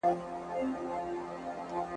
د ښادي د ځواني میني دلارام سو `